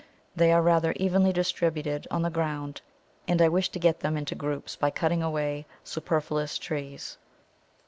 They are rather evenly distributed on the ground, and I wish to get them into groups by cutting away superfluous trees.